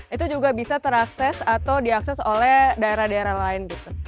itu juga bisa terakses atau diakses oleh daerah daerah lain gitu